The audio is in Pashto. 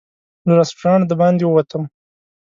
له رسټورانټ د باندې ووتم.